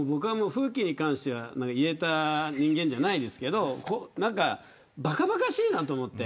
僕は風紀に関しては言えた人間じゃないですけどばかばかしいなと思って。